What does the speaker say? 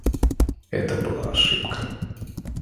Это была ошибка.